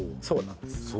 そうなんです